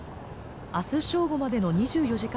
あす正午までの２４時間